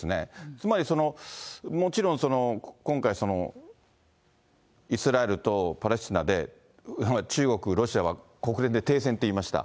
つまり、もちろん今回、イスラエルとパレスチナで、中国、ロシアは国連で停戦って言いました。